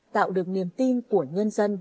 tạo được niềm tin của nhân dân